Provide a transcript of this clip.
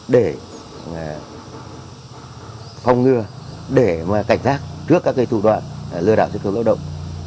để phòng ngừa để cảnh giác trước các thủ đoạn lừa đảo xuất khẩu lao động